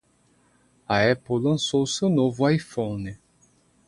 A Apple lançou seu novo iPhone.